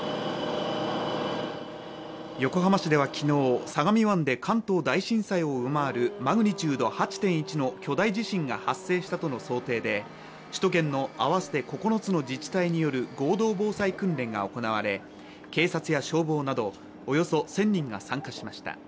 横浜市では、昨日、相模湾で関東大震災を上回るマグニチュード８．１の巨大地震が発生したとの想定で、首都圏の合わせて９つの自治体による合同防災訓練が行われ警察や消防などおよそ１０００人が参加しました。